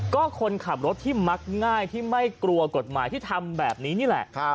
ก็คนขับรถที่มักง่ายที่ไม่กลัวกฎหมายที่ทำแบบนี้นี่แหละ